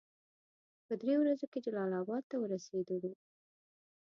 په دریو ورځو کې جلال اباد ته ورسېدلو.